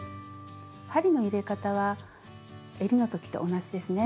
針の入れ方はえりの時と同じですね。